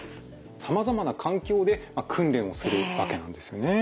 さまざまな環境で訓練をするわけなんですね。